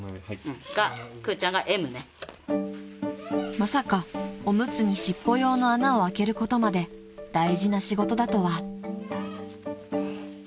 ［まさかおむつに尻尾用の穴を開けることまで大事な仕事だとは］